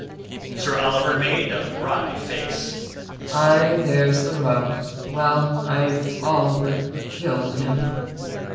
Sir Oliver made a wry face. "Aye, there's the rub. Well, I've all but killed him."